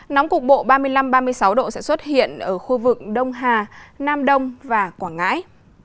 nóng cục bộ ba mươi năm ba mươi sáu độ sẽ xuất hiện ở khu vực đông hà nam đông và quảng ngãi